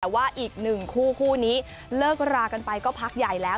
แต่ว่าอีกหนึ่งคู่คู่นี้เลิกรากันไปก็พักใหญ่แล้ว